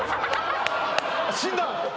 「死んだ」